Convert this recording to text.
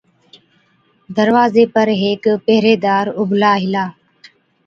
دَروازي پر هيڪ پهريدار اُڀلا هِلا،